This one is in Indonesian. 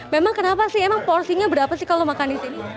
memang kenapa sih emang porsinya berapa sih kalau makan di sini